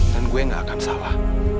gue gak akan salah